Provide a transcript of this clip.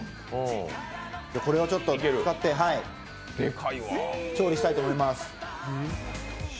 これを使って調理したいと思います。